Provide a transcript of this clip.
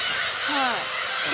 はい。